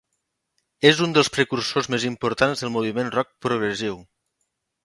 És un dels precursors més importants del moviment rock progressiu.